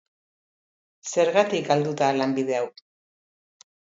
Zergatik galdu da lanbide hau?